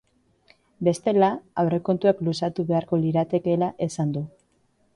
Bestela, aurrekontuak luzatu beharko liratekeela esan du.